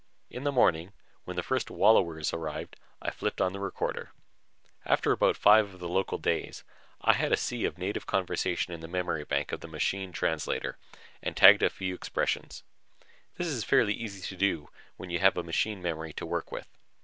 In the morning, when the first wallowers arrived, I flipped on the recorder. After about five of the local days, I had a sea of native conversation in the memory bank of the machine translator and had tagged a few expressions. This is fairly easy to do when you have a machine memory to work with.